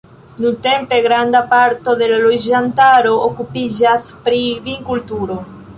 Nuntempe granda parto de la loĝantaro okupiĝas pri vinkulturo.